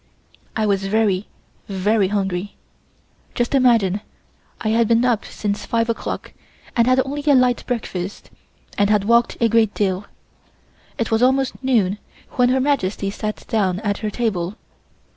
I was very, very hungry. Just imagine, I had been up since 5:00 o'clock and had only a light breakfast, and had walked a great deal. It was almost noon when Her Majesty sat down at her table.